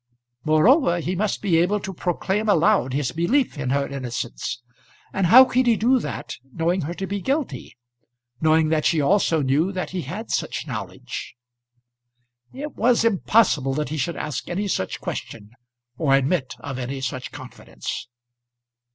Moreover, he must be able to proclaim aloud his belief in her innocence; and how could he do that, knowing her to be guilty knowing that she also knew that he had such knowledge? It was impossible that he should ask any such question, or admit of any such confidence.